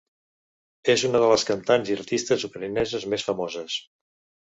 És una de les cantants i artistes ucraïneses més famoses.